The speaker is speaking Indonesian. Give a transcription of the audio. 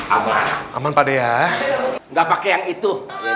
aman aman pada ya nggak pakai yang itu